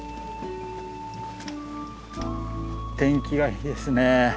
天気がいいですね。